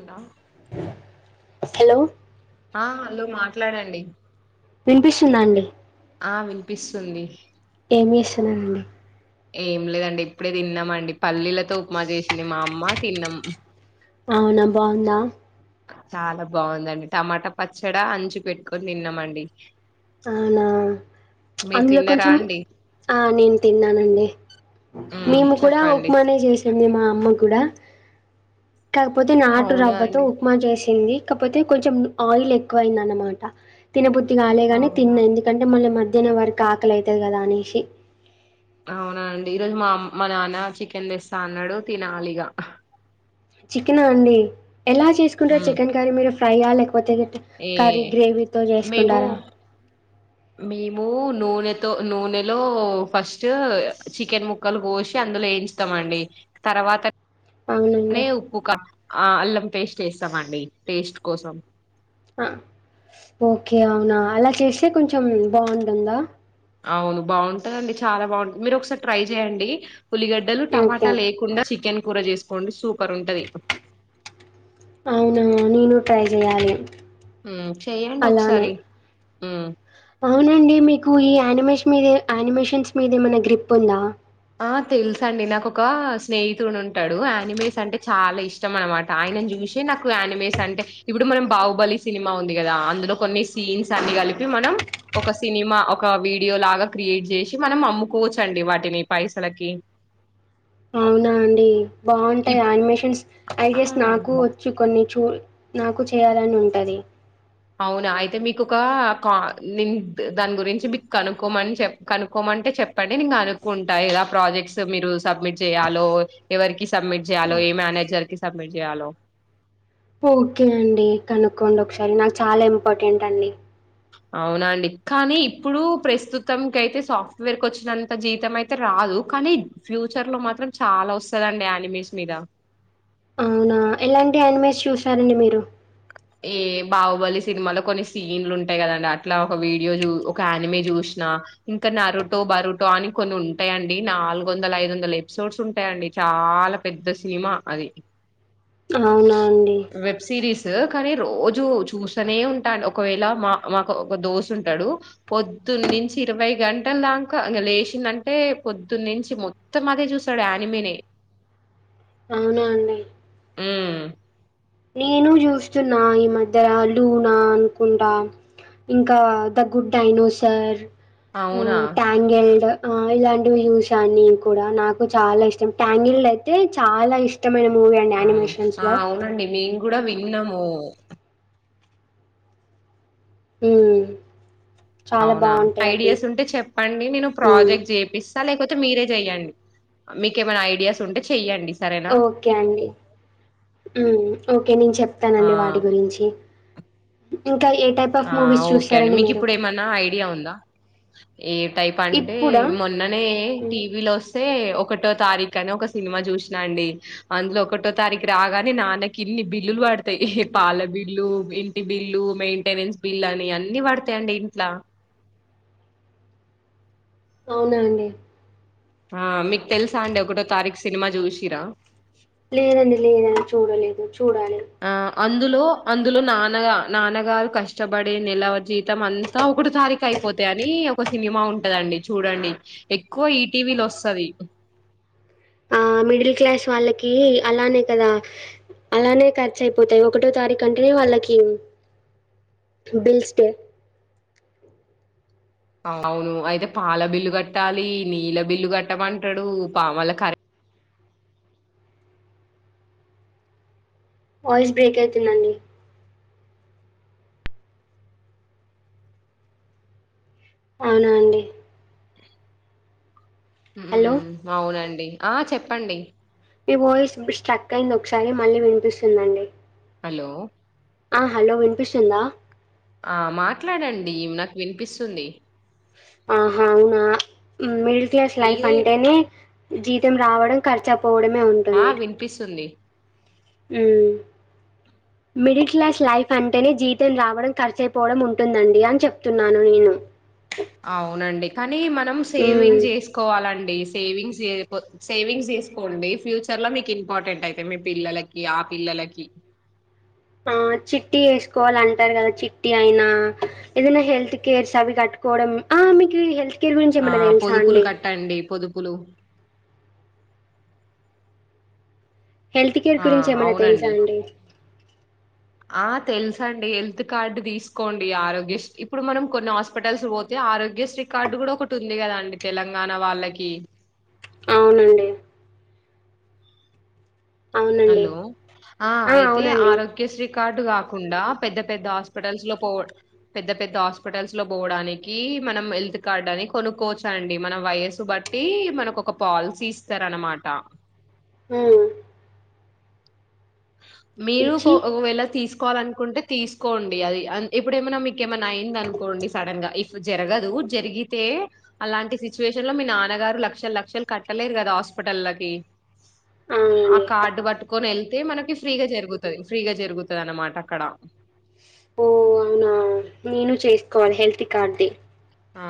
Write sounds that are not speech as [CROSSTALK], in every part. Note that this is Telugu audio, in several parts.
అలా హలో ఆ హాలో మాట్లాడండి వినిపిస్తుందా అండి ఆ వినిపిస్తుంది ఏమి చేస్తన్నా అండి ఏం లేదండి ఇప్పుడే తిన్నామ అండి పల్లీలతో ఉప్మా చేసింది మా అమ్మ తిన్నాం అవునా బాగుందా చాలా బాగుందండి టమాటా పచ్చడా అంచుకు పెట్టుకొని తిన్నామండి అవునా మీరు అందులో తిన్నారా కొంచెం అండి ఆ నేను తిన్నానండి ఉమ్ మేము కూడా చెప్పండి ఉప్మానే చేసింది మా అమ్మ కూడా కాకపోతే నాటు అవునా రవ్వతో అండి ఉప్మా చేసింది కపోతే కొంచెం ఆయిల్ ఎక్కువ అయిందినమాట తినబు కాలేగాని అవునా తిన్నా ఎందుకంటే మళ్ళ మ ధ్యానం వరకు ఆకలి అయితది కదా అనేషి అవునండి ఈరోజు మామ్ మా నాన్న చికెన్ తెస్తా అన్నాడు తినాలిగా చికెనా అండి ఎలా చేసుకుంటారు ఉమ్ చికెన్ కర్రీ మీరు ఫ్రై య్యా లేక కపోతే ఏ కర్రీ గ్రేవీతో మేము చేసుకుంటారా మేము నూనెతో నూనెలో ఫస్ట్ చికెన్ ముక్కలు కోసి అందులో ఎయించతాం అండి తర్వాత నే అవునండి ఉప్పుక ఆ అల్లం పేస్ట్ ఎస్తామండి టేస్ట్ కోసం ఆ ఓకే అవునా అలా చేస్తే కొంచెం బాగుంటుందా అవును బాగుంటదండి చాలా బాగుంటం మీరు ఒకసారి ట్రై చెయండి ఉల్లిగడ్డలు ఓకే. టమాటా లేకుండా చికెన్ కూర చేసుకోండి సూపర్ ఉంటది అవున నేను ట్రై చెయాలే ఉమ్ చెయండి ఒక ఒకసారి ఉమ్ అవునండి మీకు ఈ యానిమేస్ మీద యానిమేషన్స్ మీద ఏమైనా గ్రిప్ ఉందా ఆ తెలుసఅండి నాకు ఒక స్నేహితుడు ఉంటాడు ఆనిమేస్ అంటే చాలా ఇష్టం అనమాట ఆయనను చూసి నాకు యానిమేస్ అంటే ఇప్పుడు మనం బాహుబలి సినిమా ఉంది కదా అందులో కొన్ని సీన్స్ అన్ని కలిపి మనం ఒక సినిమా ఒక వీడియో లాగా క్రియేట్ చేసి మనం అమ్ముకోవచ్చండి వాటిని పైసలకి అవునా అండి ఇప్ బాగుంటాయా అనిమేషన్స్ ఐ ఆ గెస్ బా నాకు వచ్చు కొన్ని చూ నాకు చేయాలని ఉంటది అవునా అయితే మీకు ఒక కా నేన్ ద్ దాని గురించి మీకు కనుకోమని చె కనుక్కకోమంటే చెప్పండి నేన్ కనుకుంటా ఏదా ప్రాజెక్ట్స్ మీరు సబ్మిట్ చేయాలో ఎవరికి సబ్మిట్ చేయాలో ఏ మేనేజర్కి సబ్మిట్ చేయాలో ఓకే అండి కనుక్కోండి ఒకసారి నాకు చాలా ఇంపార్టెంట్ అండి అవునండి కానీ ఇప్పుడు ప్రస్తుతం కైయితే సాఫ్ట్వేర్కి వచ్చినంత జీవితం అయితే రాదు కానీ ఫ్యూచర్ లో మాత్రం చాలా వస్తదండి ఆనిమేస్ మీద అవునా ఎలాంటి ఆనిమేస్ చూసారండి మీరు బాహుబలి సినిమాలో కొన్ని సీన్లు ఉంటాయి కదండి. అట్లా ఒక వీడియో చూ ఒక యానిమీ చూసినా. ఇంకా నరుటో, బరుటో అని కొన్ని ఉంటాయండి. నాలుగు వందల, ఐదు వందల ఎపిసోడ్స్ ఉంటాయండి. చాలా పెద్ద సినిమా అది. అవునా అండి స కాని రోజు చూస్తనే ఉంటాం. ఒకవేళ మా మాకు ఒక దోశ్ ఉంటాడు. పొద్దున్న నుంచి ఇరవై గంటల దాకా లేచిండంటే, పొద్దున్న నుంచి మొత్తం అదే చూస్తాడు యానిమీనే. అవునా అండి ఉ నేను చూస్తున్నా ఈ మధ్య లూనా అనుకుంటా ఇంకా ద గుడ్ డైనోసర్ ఆ అవునా టాంగెల్డ్ ఆ ఇలాంటివి చూసాన్ని కూడా నాకు చాలా ఇష్టం. ట్యాంగిల్లు అయితే చాలా ఇష్ ఇష్టమైన మూవీ అండి యానిమేషన్స్ లో కూడ విన్నాము హూ అవునా ఐడియాస్ ఉంటే చెప్పండి నేను మ్మ్. ప్రాజెక్ట్ చేపిస్ లేకపోతే మీరే చెయ్యండి. మీకేమైనా ఐడియాస్ ఉంటే చెయ్యండి. సరేనా ఓకే అండి ఉమ్ ఓకే నేను ఆ చెప్తానండి వాటి గురించి ఉ ఇంకా ఏ టైప్ ఆఫ్ మూవీస్ చూస్తారండి మీరు ఇయ ఉందా ఏ టైప్ అంటే ఇప్పుడా మొన్ననే మ్మ్. టీవీలో వస్ టే ఒకటో తారీఖ్ అని ఒక సినిమా చూసినా అండి. అందులో ఒకటో తారీఖు రాగానే, నాన్నకిల్లి బిల్లులు పడతాయి. పాల బిల్లు ఇంటి బిల్లు మ రెన్స్ బిల్ అని అన్ని పడతాయండి ఇంట్లా అవునా అండి ఆ మీకు తెలుసా అండి ఒకటో తారీఖు సినిమా చూసిరా లేదండి లేదని చూడలేదు చూడాలి ఆ అందులో అందులో నాన్న నాన్నగారు కష్టపడే నిలవ జీతం అంతా ఒకటి తారీఖ్ అయిపోతా అని ఒకస్ సినిమా ఉంటదండి చూడండి ఎక్కువ ఈటీవీలో వస్తది. ఆ మిడిల్ క్లాస్ వాళ్ళకి అలానే కదా అలానే ఖర్చు అయిపోతాయి. ఒకటో తారీఖు అంటే వాళ్ళకి బిల్స్టే అవును అయితే పాల బిల్లు కట్టాలి. నీళ్ళ బిల్లు కట్టమంటడు. పా వాళ్ళ కరీ వాయిస్ బ్రేక్ అయితుందండి అవునా అండి హలో! ఉమ్ అవునండి ఆ చెప్పండి మీ వాయిస్ స్ట్రక్ అయింది. ఒకసారి మళ్ళీ వినిపిస్తుందండి హలో ఆ హలో విన్పిస్తుందా ఆ మాట్లాడండి నాకు వినిపిస్తుంది ఆహా అవునా మిర్ లస్ లైఫ్ మీదే అంటేనే జీతం రావడం ఖర్చు పోవడమే ఆ ఉంటుంది వినిపిస్తుంది మిడిల్ క్లాస్ లైఫ్ అంటేనే జీతం రావడం ఖర్చయిపోవడం ఉంటుందండి అని చెప్తున్నాను నేను అవునండి కానీ మన మనం హ్మ్. సేవింగ్ చేసుకోవాలండి సేవింగ్స్ సేవింగ్స్ తీసుకోండి ఫ్యూచర్ లో మీకు ఇంపార్టెంట్ అయిత మీ పిల్లలకి ఆ పిల్లలకి ఆ చిట్టీటి వేసుకోవాల అంటారు కదా చిట్టి అయినా ఏదైనా హెల్త్ కేర్స్ అవి కట్టుకోవడం ఆ మీకు హెల్త్ కేర్ గురించి ఆ ఏమైనా తెలుసా పొదుపులు అండి? కట్టండి పొదుపులు హెల్త్ కేర్ ఆ గురించి ఏమైన్నా తెలుసా అవునండి అండి ఆ తెలుస అండి హెల్త్ కార్డు తీసుకోండి ఆరోగ్య్రీ ఇప్పుడు మనం కొన్ని హాస్పిటల్స్ పోతే ఆరోగ్యశ్రీ కార్డు కూడా ఒకటి ఉంది కదాండి తెలంగాణ వాళ్ళకి అవునండి అవునండి. హలో ఆ అయితే ఆరోగ్యశ్రీ కార్డు కా కాకుండా పెద్ద పెద్ద హాస్పిటల్స్ లో పో పెద్ద పెద్ద హాస్పిటల్స్ లో పోవడానికి మనం హెల్త్ కార్డ్ అని కొనుక్కోవచ్చా అండి మన వయసు బట్టి మనకు ఒక పాలసీ ఇస్తార అనమాట ఆ మీరు ఇచ్చి ఒకవేళ తీసుకు తీకోవాలనుకుంటే తీసుకోండి అది ఇప్పుడ ఏమైనా మీక ఏమన్నా అయింది అనుకోండి సడన్ గా ఇఫ్ జరగదు జరిగితే అలాంటి సిచ్యువేషన్ లో మీ నాన్నగారు లక్షల లక్షలు కట్టలేరు కదా హాస్పిటల్కి ఆ అవునండి. కార్డు పట్టుకొని వెల్ప్ మనకు ఫ్రీగా జరుగుతుది ఫ్రీగా జరుగుతుంది అనమాట అక్కడ ఓ అవునా నేను చేసుకోవాలి హెల్త్ కార్ది ఆ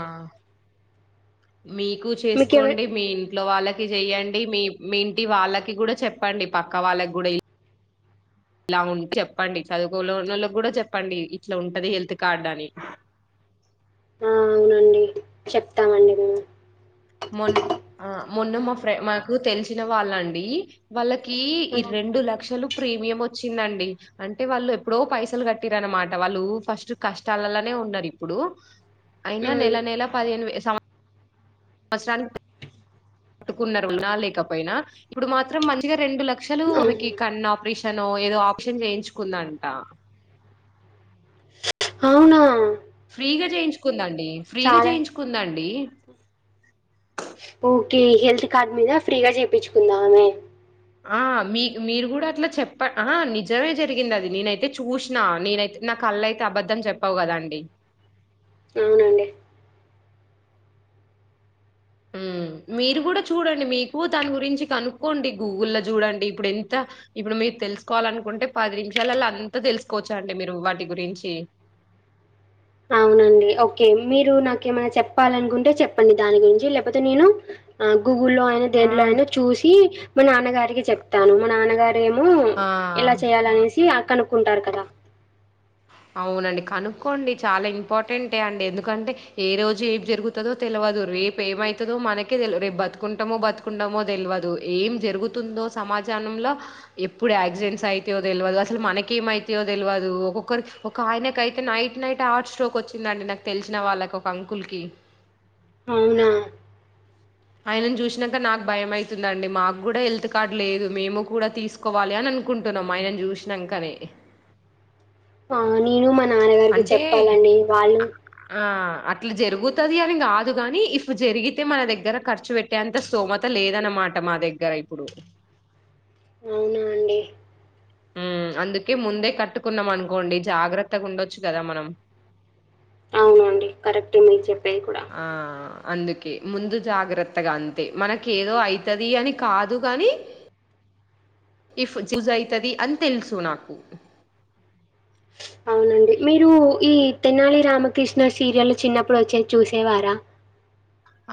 మీకు మీకెవ చేసుకోండి మీ ఇంట్లో వాళ్ళకు చెయ్యండి మీ మీ ఇంటి వాళ్ళకి కూడా చెప్పండి పక్క వాళ్ళకి కూడా ఇలా ఉ చెప్పండి చదువుకోలోళ్ళకి కూడా చెప్పండి ఇట్లా ఉంటది హెల్త్ కార్డ్ అని ఆ అవునండి చెప్తామండి మేము మొ ఆ మొన్న మా ఫ్రె మాకు తెలిసిన వాళ్ళండి వాళ్ళ క ఈ హ్మ్. రెండు లక్షలు ప్రీమియం వచ్చిందండి అంటే వాళ్ళు ఎప్పుడో పైసలు కట్టిర అనమాట వాళ్ళు ఫస్ట్ కష్టాలలోనే ఉన్నారు ఇప్పుడు అయినా హ్మ్. నెల నెల పదిహే మసలాని పట్టుకున్నారున్నా లేకపోయినా ఇప్పుడు మాత్రం మంచిగా రెండు లక్షలు అవును. క ఆపరే తను ఏదో ఆప్షన్ చేయించుకుందంట అవునా ఫ్రీగా చేయించుకుందాండి ఫ్రీగా చాలా చేయించుకుందా అండి ఓకే హెల్త్ కార్డ్ మీద ఫ్రీగా చేయిించుకుందామెే ఆ మీ మీరు కూడా అట్లా చెప్ప ఆ నిజమే జరిగింది అది నేనైతే చూసినా నేనైతే నా కళ్ళయితే అబద్ధం చెప్పావు కదాండి అవునండి ఉమ్ మీరు కూడా చూడండి మీకు దాని గురించి కనుక్కోండి గూగుల్ ల్లో చూడండి ఇప్పుడు ఎంత ఇప్పుడు మీరు తెలుసుకోవాలి అనుకుంటే పది నిమిషాలలో అంత తెలుసుకోవచ్చా అండి మీరు వాటి గురించి అవునండి ఓకే మీరు నాకేమైనా చెప్పాలనుకుంటే చెప్పండి దాని గురించి లేకపోతే నేను ఆ గూగుల్లో అయినా ఆ దేంట్లో అయినా చూసి మా నాన్నగారికి చెప్తాను మా నాన్నగార ఏమో ఆ ఎలా చేయాలనేసి కనుక్కుంటారు కదా అవునండి కనుక్కోండి చాలా ఇంపార్టెంటే అండి ఎందుకంటే ఏ రోజు ఏం జరుగుతుందో తెలవదు రేపు ఏమవుతుందో మనకే తెలి రేపు బతుకుంటామో బతుకుంటామో తెలవాదు ఏం జరుగుతుందో సమాజానంలో ఎప్పుడు యాక్సిడెంట్స్ అవుతాయో తెలియదు అసలు మనకేమవుతయో తెలవదు ఒక్కొక్కరి ఒక ఆయనకైతే నైట్ నైట్ హార్ట్ స్ట్రోక్ వచ్చిందండి నాకు తెలిసిన వాళ్ళకి ఒక అంకుల్కి అవునా ఆయనను చూసినాక నాకు భయమవుతుందండి మాకు కూడా హెల్త్ కార్డు లేదు మేము కూడా తీసుకోవాలి అని అనుకుంటున్నాం ఆయనను చూసినాకనే ఆ నేను మా నాన్నగారికి అంటే చెప్పాలండి వాళ్ళు ఆ అట్లా జరుగుతది అని కాదు గాని ఇఫ్ జరిగితే మన దగ్గర ఖర్చు పెట్టేంత స్తోమత లేదన్నమాట మా దగ్గర ఇప్పుడు అవునా అండి. ఉమ్ అందుకే ముందే కట్టుకున్నాం అనుకోండి జాగ్రత్తగా ఉండొచ్చు కదా మనం కరెక్ట్ ఏ మీరు చెప్పి ఆ అందుకే ముందు జాగ్రత్తగా అంతే మనక ఏదో అవుతది అని కాదు కాగాని ఇఫ్ చూజ్ అవుతుది అని తెలుసు నాకు అండి మీరు ఈ త్తెనాలి రామకృష్ణ సీరియల్ చిన్నప్పుడు వచ్చేది చసేవారా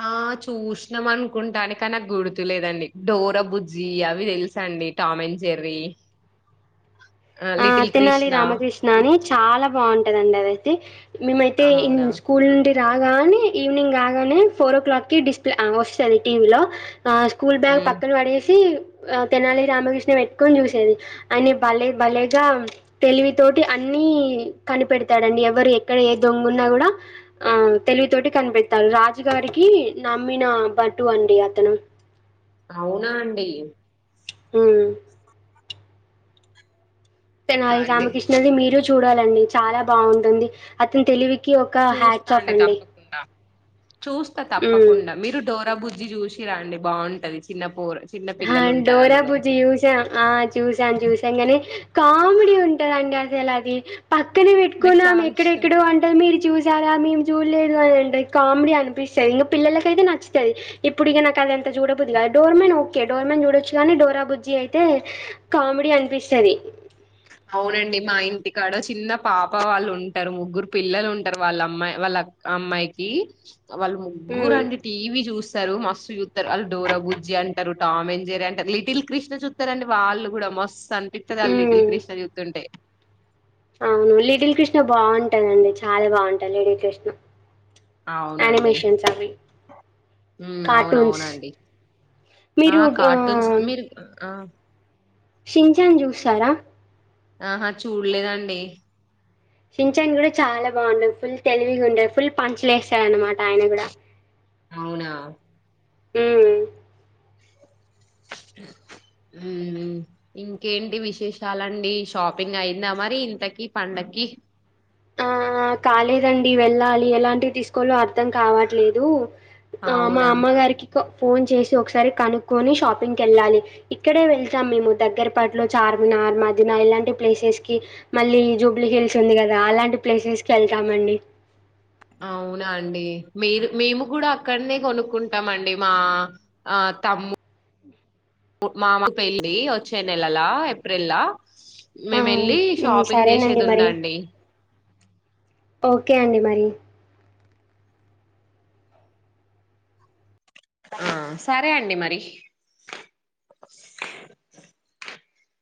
ఆ చూసినాం అనుకుంటాను కాని నాకు గుర్తులేదండి డోర బుజ్జి అవి తెలుసా అండి టామ అం చెర్రీ ఆ తినాలి రామకృష్ణ అని చాలా బాగుంటదండి అదయితే మేమయితే ఇ అవునా స్కూల్ నుండి రా రాగానే ఈవినింగ్ కాగానే ఫోర్ ఓ క్లాక్కిి డిస్ప్లే వస్తుంది టీవీలో ఆ స్కూల్ బ్యాగ్ ఉమ్ పక్కన పడేసి ఆ తెనాలి రామకృష్ణ పెట్టుకొని చూసేది అని బల్లే బల్లే గా తెలివి తోటి అన్ని కనిపెడతాడుడి ఎవరు ఎక్కడ ఏ దొంగ ఉన్నా కూడా ఆ తెలివి తోటి కనిపెడతాడు రాజుగారికి నమ్మిన బటు అండి అతను అవునా అండి ఉమ్ ఇంకా తెనాలి అండి రామకృష్ణని మీరు చూడ చూడాలండి చాలా బాగుంటుంది అతను తెలివి ఒక చూస్తా హ్యాట్స్ ఆఫ్ అండి తప్పకుండా చూస్తా హ్మ్. తప్పకుండా మీరు డోర బుజ్జి చూసి చ్చిరా అండి బాగుంటది చిన్న పూర డోరా బుజ్జి చూసా ఆ చూసాను చూసాం గాని కామెడీ ఉంటందండి ఎలా అది పక్కనే నాకు పెట్టుకున్నా చాలా ఇష్టం ఎక్కడెక్కడో అంటే మీరు చూసి రారా మేము చూడలేదు అ కామెడీ అనిపిస్తుంది ఇక పిల్లకైతే నచ్చుతది ఇప్పుడు ఇక నాకు అదింత చడోద్దు కద ోర్ మన్ ే డోర్మన్ చూడొచ్చు కానీ డోరా బుజ్జి అయితే కామెడీ అనిపిస్తది అవునండి మా ఇంటికాడ చిన్న పాప వాళ్ళు ఉంటారు. ముగ్గురు పిల్లలుంటరు వాళ్ళ అమ్మా వాళ్ళ అమ్మాయికి. వాళ్ళు హ్మ్. ముగ్గురండి టీవీ జూస్. త్తరు మస్తు జూత్తరు. అళ్ళు డోరా బుజ్జి అంటారు, టామ్ ఎండ్ జెరీ అంటారు, లిటిల్ క్రిష్ణ జూత్తరండి వాళ్ళు గూడా మస్. తన్పితాదలిటిల్. హ్మ్. క్రిష్ణ జూతుంటే. అవును లిటిల్ క్రిష్ణ బాగుంటదండి. చాలా బాగుంటది లిడిల్ క్రిష్ణ. అవునండి. ఊ కార్టూన్స్. అవునవునండి. ఆ మీరు కార్టూన్స్ మీరు, ఆ ఆ. షీన్శాన్ జూసారా.? ఆహా చూడ్లేదాండి. షీన్శాన్ గూడా చాలా బాగుండది. ఫుల్ తెలివిగా ఉంటది. ఫుల్ పంచలేస్. తే అన్నమాట ఆయన గూడా. అవునా ఊఉ. ఊహూ ఇంకేంటి విశేషాలండి షాపింగ్ అయిందా మరి ఇంతకి పండక్కి? ఆ కాలేదండి వెళ్ళాలి ఎలాంటివి తీసుకోలో అర్థం కావట్లేదు. ! ఆ మా అవునా అమ్మగారికి. క్క ఫోన్ చేసి ఒక్సారి కనుక్కొని షాపింకెళ్ళాలి. ఇక్కడే వెళ్తాం మేము దగ్గరపట్లో చార్మినార్, మధీనా ఇలాంటి ప్లేసెస్ కి మళ్ళీ జూబ్లీహిల్స్ ఉంది గదా! అలాం. [INAUDIBLE] ప్లేసెస్ కి ఎళ్తామండి. అవునా అండి. ! మీరు మేము గూడా అక్కడ్నే కొనుక్కుంటామడి మా ఆ తమ్ము మామ పెళ్ళి వచ్చే నెలలా ఏప్రిల్లా. ఆ మేము వెళ్ళి ఊ షాపింగ్ సరేనండి చేసేది మరి. ఉందండి ఓకే అండి మరి. సరే అండి మరి.